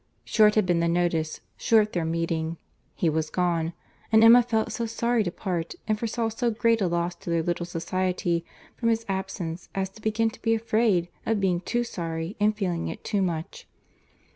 Short had been the notice—short their meeting; he was gone; and Emma felt so sorry to part, and foresaw so great a loss to their little society from his absence as to begin to be afraid of being too sorry, and feeling it too much.